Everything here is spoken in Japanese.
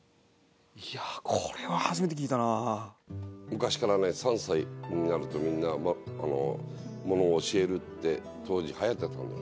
昔からね３歳になるとみんなものを教えるって当時はやってたんだ。